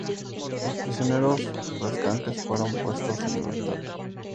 Los prisioneros restantes fueron puestos en libertad.